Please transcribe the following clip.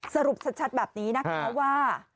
สรุปชัดแบบนี้นะคะว่า